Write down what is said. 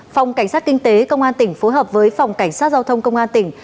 phòng cảnh sát kinh tế công an tỉnh phối hợp với phòng cảnh sát giao thông công an tỉnh